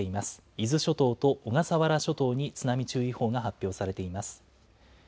伊豆諸島と小笠原諸島に津波注意報が発表されています。